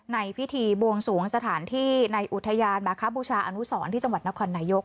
ในพิธีบวงสูงสถานที่ในอุทยานมาลักษณะพูดชาติอนุสรรค์ที่จังหวัดนครนายก